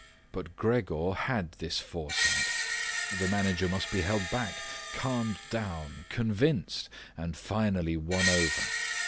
But Gregor had this foresight. The manager must be held back, calmed down, convinced, and finally won over.